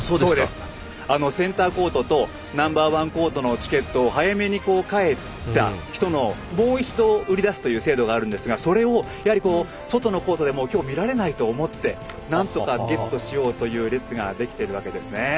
センターコートとナンバー１コートのチケットを早めに帰った人にもう一度売り出すという制度があるんですがそれをやはり、外のコートでは今日は見られないと思ってなんとかゲットしようという列ができているわけですね。